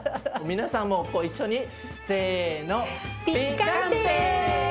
皆さんもご一緒にせの。